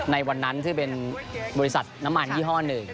ในวันนั้นซึ่งเป็นบริษัทน้ำมันยี่ห้อหนึ่ง